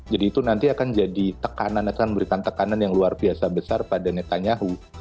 jadi itu nanti akan jadi tekanan akan memberikan tekanan yang luar biasa besar pada netanyahu